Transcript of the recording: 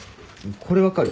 これ分かる？